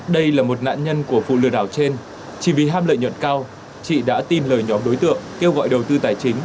đây là một nạn nhân của vụ lừa đảo trên chỉ vì ham lợi nhuận cao chị đã tin lời nhóm đối tượng kêu gọi đầu tư tài chính